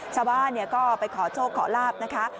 ชาวบ้านก็ไปขอโชคขอลาบนะคะ